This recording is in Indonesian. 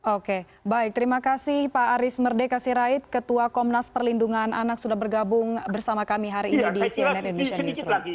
oke baik terima kasih pak aris merdeka sirait ketua komnas perlindungan anak sudah bergabung bersama kami hari ini di cnn indonesia newsroom